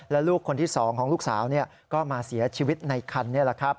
และลูกคนที่๒ของลูกสาวก็มาเสียชีวิตในคันนี้แหละครับ